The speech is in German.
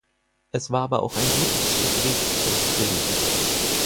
Es war aber auch ein gutes Stück Wegs zurückzulegen.